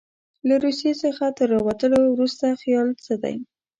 له روسیې څخه تر راوتلو وروسته خیال څه دی.